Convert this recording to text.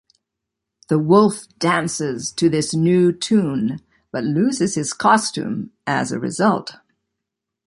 The wolf dances to this new tune, but loses his costume as a result.